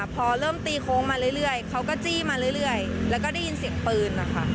พอเริ่มตีโค้งมาเรื่อยเขาก็จี้มาเรื่อยแล้วก็ได้ยินเสียงปืนนะคะ